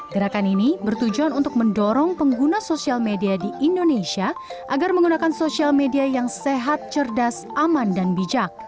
gerakan ini bertujuan untuk mendorong pengguna sosial media di indonesia agar menggunakan sosial media yang sehat cerdas aman dan bijak